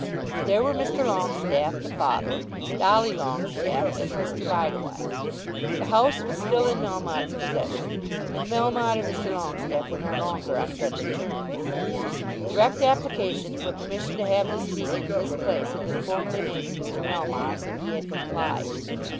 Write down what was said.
There were Mr. Longestaffe, the father, Dolly Longestaffe, and Mr. Bideawhile. The house was still in Melmotte's possession, and Melmotte and Mr. Longestaffe were no longer on friendly terms. Direct application for permission to have this meeting in this place had been formally made to Mr. Melmotte, and he had complied.